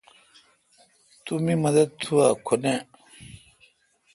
تو می مدد تھو اؘ کو نہ۔